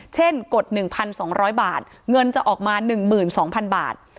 กด๑๒๐๐บาทเงินจะออกมา๑๒๐๐๐บาท